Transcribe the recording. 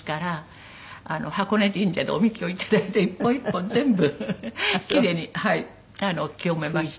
箱根神社でお神酒をいただいて一本一本全部キレイに清めました。